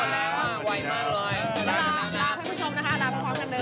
สวัสดีครับ